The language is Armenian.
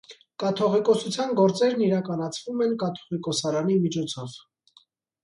Կաթողիկոսության գործերն իրականացվում են կաթողիկոսարանի միջոցով։